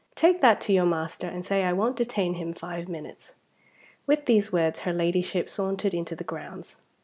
"Take that to your master, and say I won't detain him five minutes." With these words, her Ladyship sauntered into the grounds.